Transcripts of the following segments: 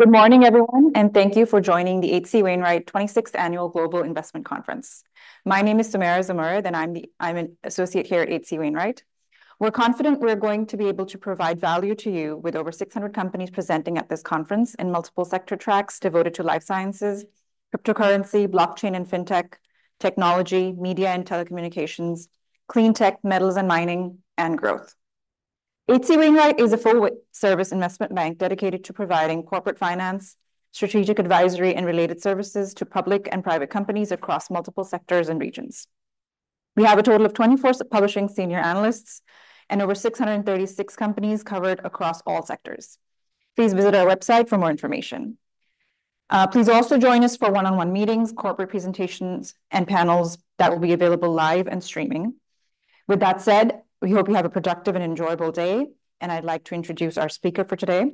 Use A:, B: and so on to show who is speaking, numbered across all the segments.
A: Good morning, everyone, and thank you for joining the H.C. Wainwright 26th Annual Global Investment Conference. My name is Samira Zumer, and I'm an associate here at H.C. Wainwright. We're confident we're going to be able to provide value to you with over 600 companies presenting at this conference in multiple sector tracks devoted to life sciences, cryptocurrency, blockchain and fintech, technology, media and telecommunications, clean tech, metals and mining, and growth. H.C. Wainwright is a full service investment bank dedicated to providing corporate finance, strategic advisory, and related services to public and private companies across multiple sectors and regions. We have a total of 24 publishing senior analysts and over 636 companies covered across all sectors. Please visit our website for more information. Please also join us for one-on-one meetings, corporate presentations, and panels that will be available live and streaming. With that said, we hope you have a productive and enjoyable day, and I'd like to introduce our speaker for today,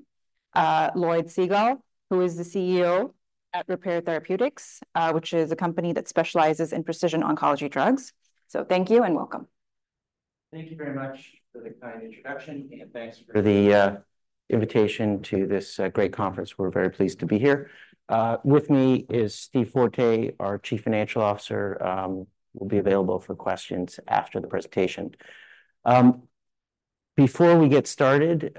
A: Lloyd Segal, who is the CEO at Repare Therapeutics, which is a company that specializes in precision oncology drugs, so thank you and welcome.
B: Thank you very much for the kind introduction, and thanks for the invitation to this great conference. We're very pleased to be here. With me is Steve Forte, our Chief Financial Officer, will be available for questions after the presentation. Before we get started,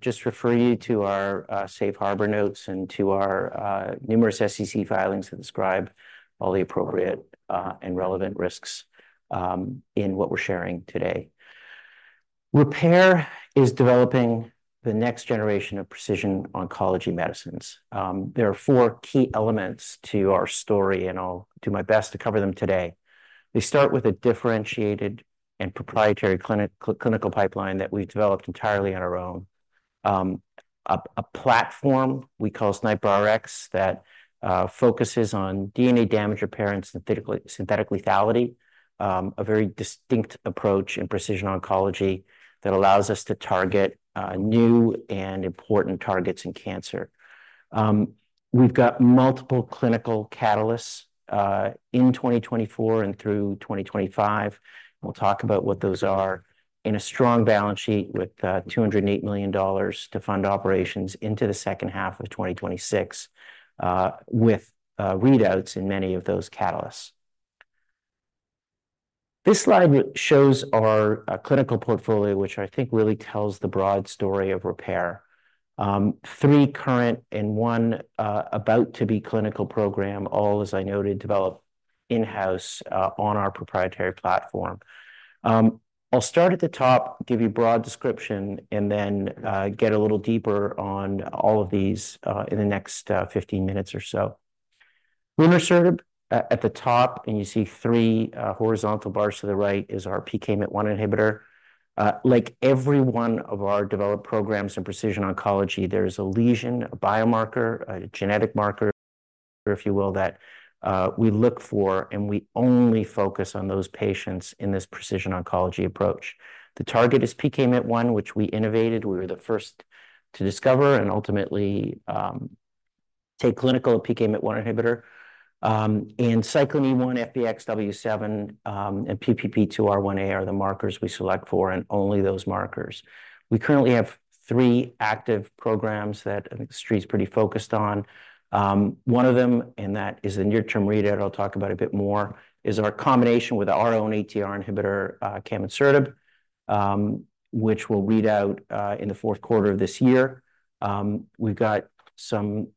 B: just refer you to our safe harbor notes and to our numerous SEC filings that describe all the appropriate and relevant risks in what we're sharing today. Repare is developing the next generation of precision oncology medicines. There are four key elements to our story, and I'll do my best to cover them today. We start with a differentiated and proprietary clinical pipeline that we developed entirely on our own. A platform we call SNIPRx that focuses on DNA damage repair and synthetic lethality, a very distinct approach in precision oncology that allows us to target new and important targets in cancer. We've got multiple clinical catalysts in 2024 and through 2025, we'll talk about what those are, in a strong balance sheet with $208 million to fund operations into the second half of 2026, with readouts in many of those catalysts. This slide shows our clinical portfolio, which I think really tells the broad story of Repare. Three current and one about to be clinical program, all, as I noted, developed in-house on our proprietary platform. I'll start at the top, give you a broad description, and then get a little deeper on all of these in the next 15 minutes or so. Lunresertib, at the top, and you see three horizontal bars to the right, is our PKMYT1 inhibitor. Like every one of our developed programs in precision oncology, there is a lesion, a biomarker, a genetic marker, if you will, that we look for, and we only focus on those patients in this precision oncology approach. The target is PKMYT1, which we innovated. We were the first to discover and ultimately take clinical a PKMYT1 inhibitor, and Cyclin E1, FBXW7, and PPP2R1A are the markers we select for, and only those markers. We currently have three active programs that I think the street's pretty focused on. One of them, and that is the near-term readout, I'll talk about a bit more, is our combination with our own ATR inhibitor, camonsertib, which we'll read out in the fourth quarter of this year. We've got some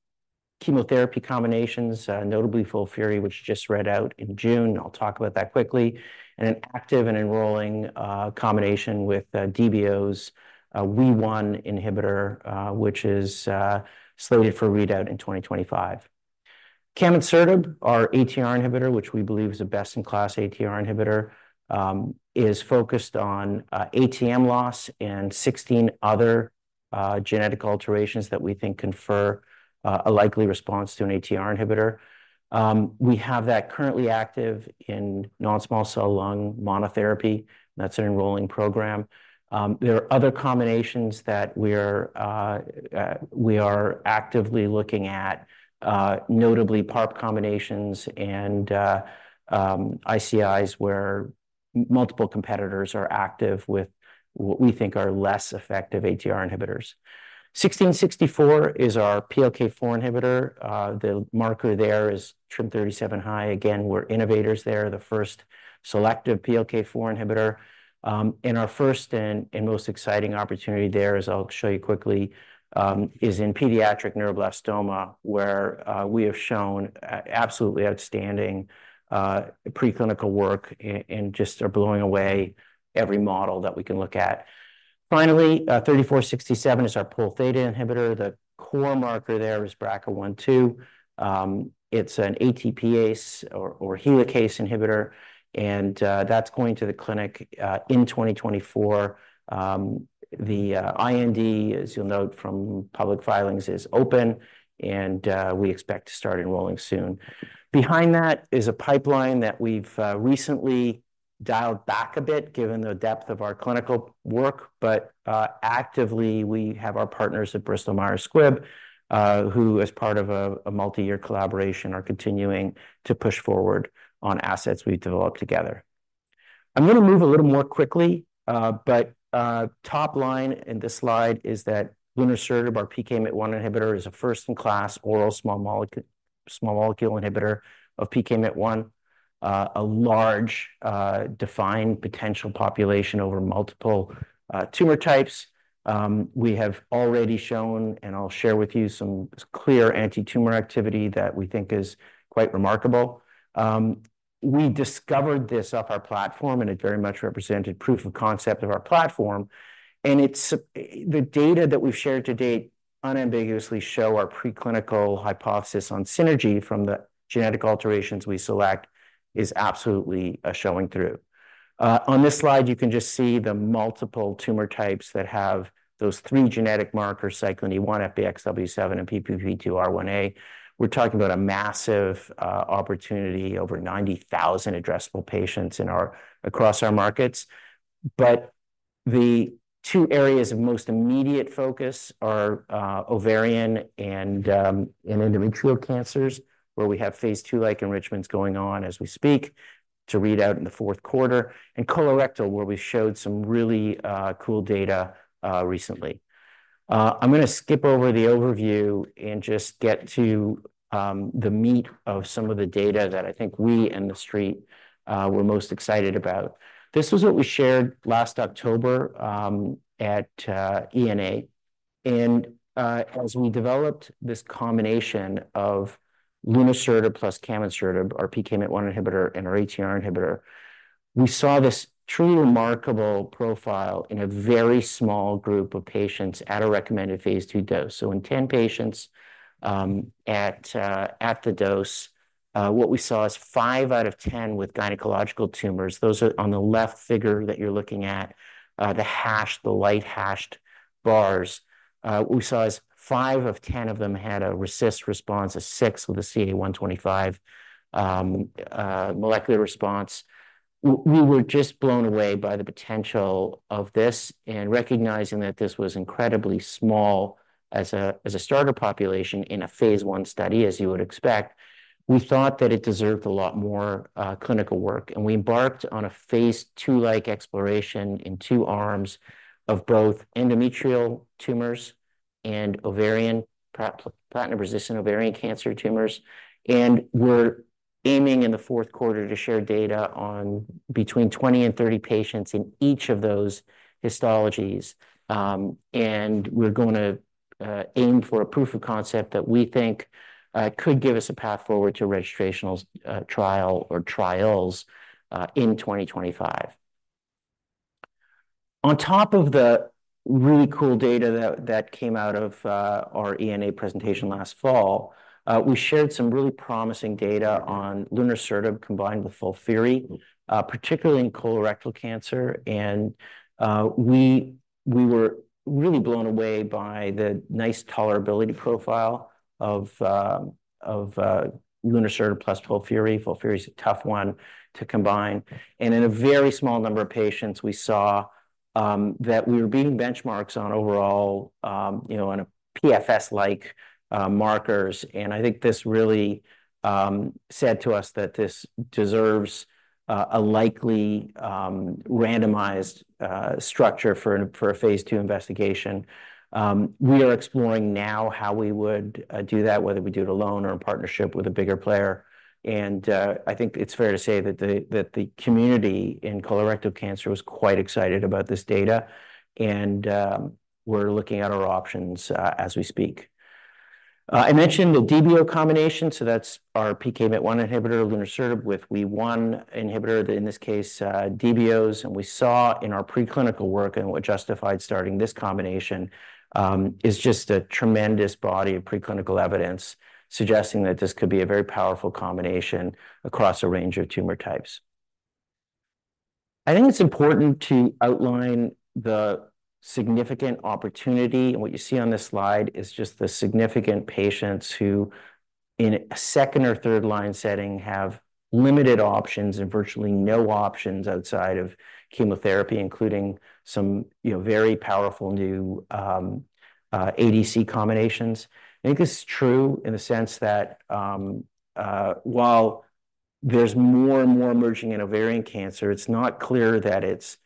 B: chemotherapy combinations, notably FOLFIRI, which just read out in June. I'll talk about that quickly. And an active and enrolling combination with Debio's WEE1 inhibitor, which is slated for readout in 2025. Camonsertib, our ATR inhibitor, which we believe is the best-in-class ATR inhibitor, is focused on ATM loss and 16 other genetic alterations that we think confer a likely response to an ATR inhibitor. We have that currently active in non-small cell lung monotherapy. That's an enrolling program. There are other combinations that we are actively looking at, notably PARP combinations and ICIs, where multiple competitors are active with what we think are less effective ATR inhibitors. 1664 is our PLK4 inhibitor. The marker there is TRIM37-high. Again, we're innovators there, the first selective PLK4 inhibitor. And our first and most exciting opportunity there, as I'll show you quickly, is in pediatric neuroblastoma, where we have shown absolutely outstanding preclinical work and just are blowing away every model that we can look at. Finally, 3467 is our Pol Theta inhibitor. The core marker there is BRCA1/2. It's an ATPase or helicase inhibitor, and that's going to the clinic in 2024. The IND, as you'll note from public filings, is open, and we expect to start enrolling soon. Behind that is a pipeline that we've recently dialed back a bit, given the depth of our clinical work, but actively, we have our partners at Bristol Myers Squibb, who, as part of a multi-year collaboration, are continuing to push forward on assets we've developed together. I'm going to move a little more quickly, but top line in this slide is that lunresertib, our PKMYT1 inhibitor, is a first-in-class oral small molecule inhibitor of PKMYT1, a large defined potential population over multiple tumor types. We have already shown, and I'll share with you some clear antitumor activity that we think is quite remarkable. We discovered this off our platform, and it very much represented proof of concept of our platform, and it's the data that we've shared to date unambiguously show our preclinical hypothesis on synergy from the genetic alterations we select is absolutely showing through. On this slide, you can just see the multiple tumor types that have those three genetic markers, Cyclin E1, FBXW7, and PPP2R1A. We're talking about a massive opportunity, over 90,000 addressable patients across our markets. But the two areas of most immediate focus are ovarian and endometrial cancers, where we have phase II-like enrichments going on as we speak, to read out in the fourth quarter, and colorectal, where we showed some really cool data recently. I'm going to skip over the overview and just get to the meat of some of the data that I think we and the street were most excited about. This was what we shared last October at ENA. As we developed this combination of lunresertib plus camonsertib, our PKMYT1 inhibitor and our ATR inhibitor, we saw this truly remarkable profile in a very small group of patients at a recommended phase II dose. In ten patients at the dose, what we saw is five out of 10 with gynecological tumors. Those are on the left figure that you're looking at, the hashed, the light hashed bars. What we saw is five of 10 of them had a RECIST response, six with a CA-125 molecular response. We were just blown away by the potential of this and recognizing that this was incredibly small as a starter population in a phase I study, as you would expect. We thought that it deserved a lot more clinical work, and we embarked on a phase II-like exploration in two arms of both endometrial tumors and ovarian, platinum-resistant ovarian cancer tumors, and we're aiming in the fourth quarter to share data on between twenty and thirty patients in each of those histologies, and we're going to aim for a proof of concept that we think could give us a path forward to a registrational trial or trials in 2025. On top of the really cool data that came out of our ENA presentation last fall, we shared some really promising data on lunresertib combined with FOLFIRI, particularly in colorectal cancer, and we were really blown away by the nice tolerability profile of lunresertib plus FOLFIRI. FOLFIRI is a tough one to combine, and in a very small number of patients, we saw that we were beating benchmarks on overall, you know, on a PFS-like markers. And I think this, really said to us that this deserves a likely randomized structure for a phase II investigation. We are exploring now how we would do that, whether we do it alone or in partnership with a bigger player. And I think it's fair to say that the community in colorectal cancer was quite excited about this data, and we're looking at our options as we speak. I mentioned the DBO combination, so that's our PKMYT1 inhibitor, lunresertib, with WEE1 inhibitor, in this case, DBOs. And we saw in our preclinical work and what justified starting this combination is just a tremendous body of preclinical evidence suggesting that this could be a very powerful combination across a range of tumor types. I think it's important to outline the significant opportunity, and what you see on this slide is just the significant patients who, in a second- or third-line setting, have limited options and virtually no options outside of chemotherapy, including some, you know, very powerful new ADC combinations. I think it's true in the sense that while there's more and more emerging in ovarian cancer, it's not clear that it's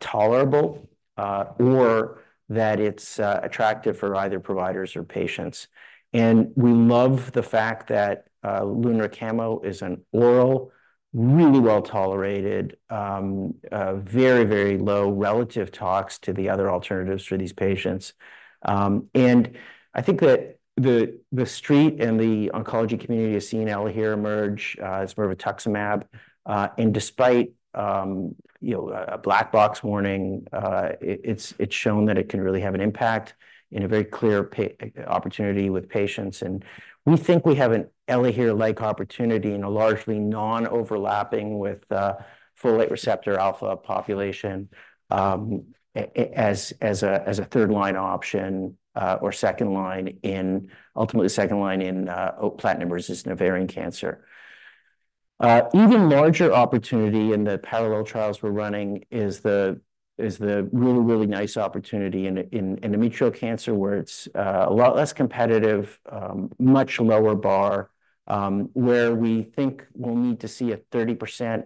B: tolerable, or that it's attractive for either providers or patients. And we love the fact that, lunresertib chemo is an oral, really well-tolerated, very, very low relative tox to the other alternatives for these patients. And I think that the street and the oncology community has seen ELAHERE emerge, as more of an ADC, and despite, you know, a black box warning, it's shown that it can really have an impact in a very clear particular opportunity with patients. And we think we have an ELAHERE-like opportunity in a largely non-overlapping with folate receptor alpha population, as a third-line option, or second line in, ultimately second line in, platinum-resistant ovarian cancer. Even larger opportunity in the parallel trials we're running is the really, really nice opportunity in endometrial cancer, where it's a lot less competitive, much lower bar, where we think we'll need to see a 30%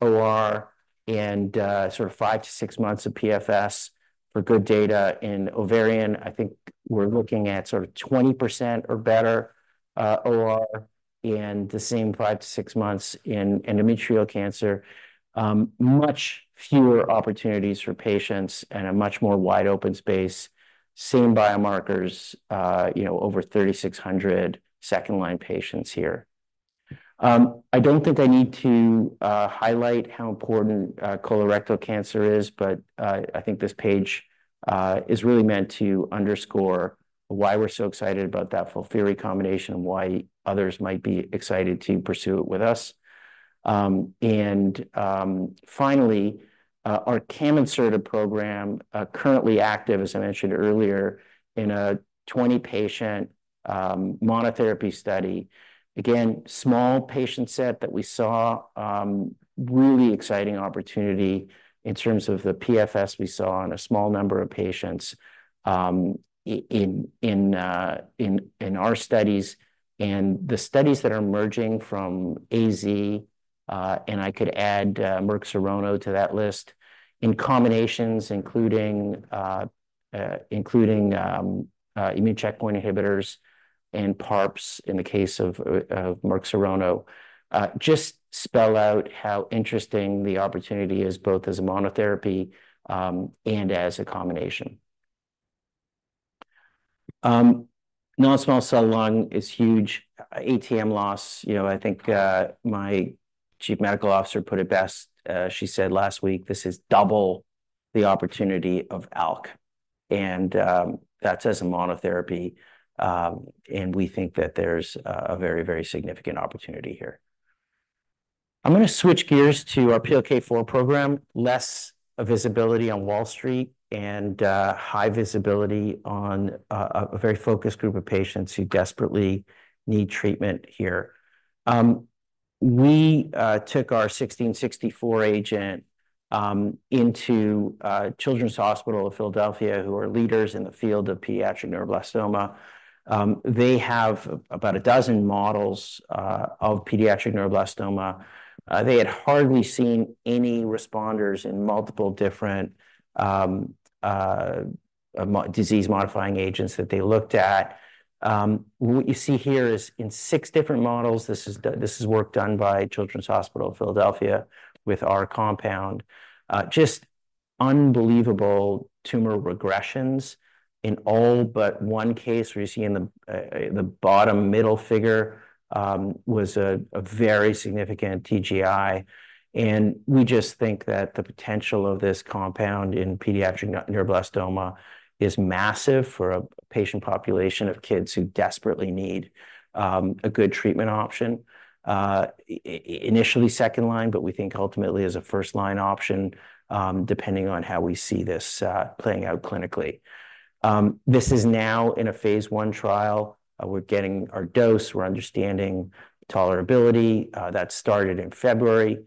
B: OR and sort of five to six months of PFS for good data. In ovarian, I think we're looking at sort of 20% or better OR in the same five to six months. In endometrial cancer, much fewer opportunities for patients and a much more wide-open space, same biomarkers, you know, over 3,600 second-line patients here. I don't think I need to highlight how important colorectal cancer is, but I think this page is really meant to underscore why we're so excited about that FOLFIRI combination and why others might be excited to pursue it with us. And finally, our camonsertib program is currently active, as I mentioned earlier, in a 20-patient monotherapy study. Again, small patient set that we saw really exciting opportunity in terms of the PFS we saw in a small number of patients in our studies and the studies that are emerging from AZ. And I could add Merck Serono to that list, in combinations, including immune checkpoint inhibitors and PARPs in the case of Merck Serono. Just spell out how interesting the opportunity is, both as a monotherapy, and as a combination. Non-small cell lung is huge, ATM loss. You know, I think, my chief medical officer put it best, she said last week, this is double the opportunity of ALK, and, that's as a monotherapy, and we think that there's a very, very significant opportunity here. I'm going to switch gears to our PLK4 program. Less visibility on Wall Street and, high visibility on a very focused group of patients who desperately need treatment here. We took our RP-1664 agent into Children's Hospital of Philadelphia, who are leaders in the field of pediatric neuroblastoma. They have about a dozen models of pediatric neuroblastoma. They had hardly seen any responders in multiple different disease-modifying agents that they looked at. What you see here is in six different models. This is work done by Children's Hospital of Philadelphia with our compound. Just unbelievable tumor regressions in all but one case, where you see in the bottom middle figure was a very significant TGI, and we just think that the potential of this compound in pediatric neuroblastoma is massive for a patient population of kids who desperately need a good treatment option. Initially second line, but we think ultimately as a first-line option, depending on how we see this playing out clinically. This is now in a phase one trial. We're getting our dose, we're understanding tolerability. That started in February,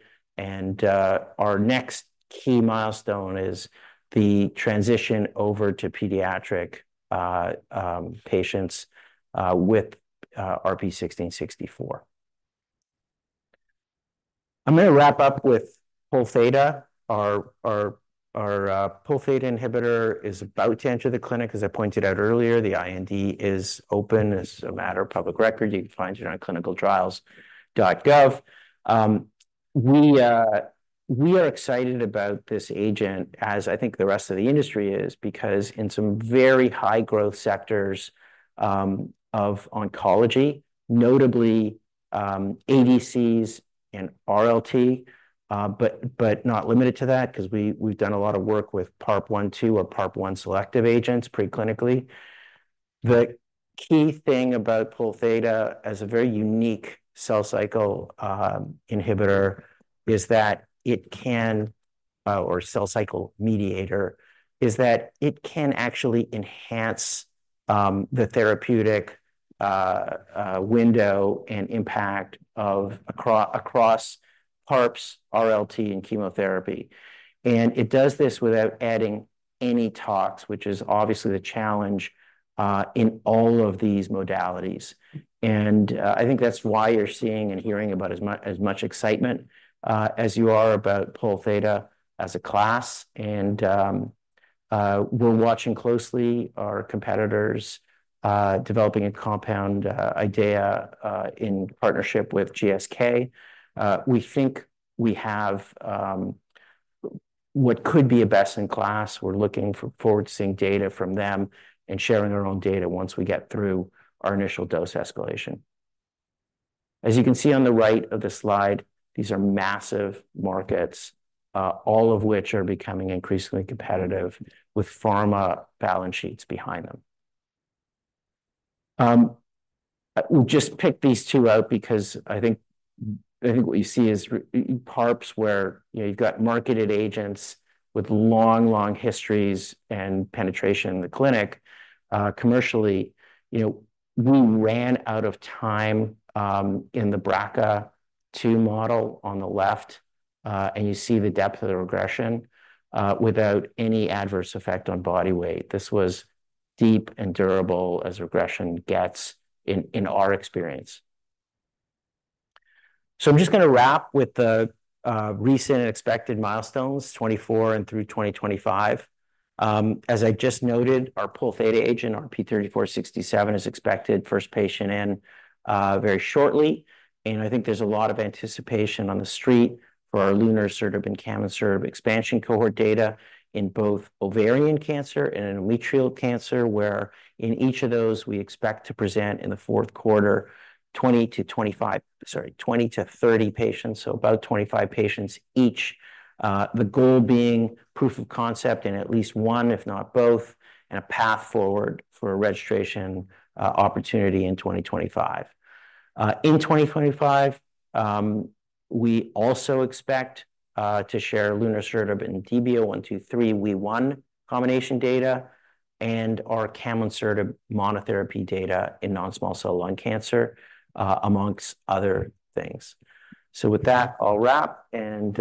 B: and our next key milestone is the transition over to pediatric patients with RP-1664. I'm going to wrap up with Pol Theta. Our Pol Theta inhibitor is about to enter the clinic. As I pointed out earlier, the IND is open, as a matter of public record. You can find it on ClinicalTrials.gov. We are excited about this agent, as I think the rest of the industry is, because in some very high growth sectors of oncology, notably ADCs and RLT, but not limited to that, 'cause we've done a lot of work with PARP 1/2 or PARP 1 selective agents preclinically. The key thing about Pol Theta as a very unique cell cycle inhibitor is that it can... or cell cycle mediator, is that it can actually enhance the therapeutic window and impact of across PARPs, RLT, and chemotherapy. And it does this without adding any tox, which is obviously the challenge in all of these modalities. And I think that's why you're seeing and hearing about as much excitement as you are about pol theta as a class. And we're watching closely our competitors developing a compound IDEAYA in partnership with GSK. We think we have what could be a best-in-class. We're looking forward to seeing data from them and sharing our own data once we get through our initial dose escalation. As you can see on the right of the slide, these are massive markets all of which are becoming increasingly competitive, with pharma balance sheets behind them. We just picked these two out because I think what you see is our PARPs, where, you know, you've got marketed agents with long, long histories and penetration in the clinic. Commercially, you know, we ran out of time in the BRCA2 model on the left, and you see the depth of the regression without any adverse effect on body weight. This was deep and durable as regression gets in our experience. So I'm just going to wrap with the recent and expected milestones, 2024 and through 2025. As I just noted, our Pol Theta agent, our RP-3467, is expected first patient in very shortly. And I think there's a lot of anticipation on the street for our lunresertib and camonsertib expansion cohort data in both ovarian cancer and endometrial cancer, where in each of those, we expect to present in the fourth quarter 2025 20-25, sorry, 20-30 patients, so about 25 patients each. The goal being proof of concept in at least one, if not both, and a path forward for a registration opportunity in 2025. In 2025, we also expect to share lunresertib and Debio 0123 WEE1 combination data, and our camonsertib monotherapy data in non-small cell lung cancer, amongst other things. So with that, I'll wrap and.